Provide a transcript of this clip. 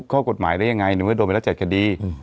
ข้อกฎหมายได้ยังไงโดนไปแล้วเจ็ดคดี